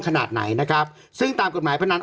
ขนาดไหนนะครับซึ่งตามกฎหมายพนัน